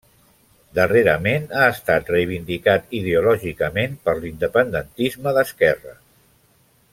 Darrerament ha estat reivindicat ideològicament per l'independentisme d'esquerres.